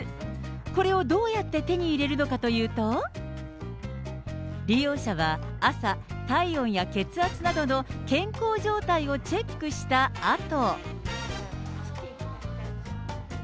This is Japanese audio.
これをどうやって手に入れるのかというと、利用者は朝、体温や血圧などの健康状態をチェックしたあと。